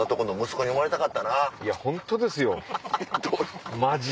いやホントですよマジで。